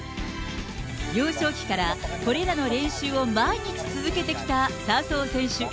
幼少期からこれらの練習を毎日続けてきた笹生選手。